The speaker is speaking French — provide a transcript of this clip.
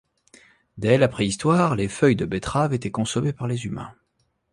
Dès la préhistoire, les feuilles de betteraves étaient consommées par les humains.